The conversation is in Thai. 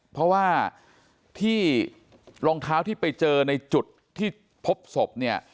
เพราะว่าที่รองเท้าที่ไปเจอในจุดที่พบศพเนี่ย